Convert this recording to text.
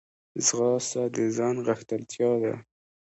ځغاسته د ځان غښتلتیا ده